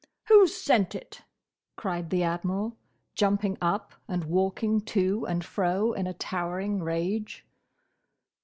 "Who sent it?" cried the Admiral, jumping up and walking to and fro in a towering rage.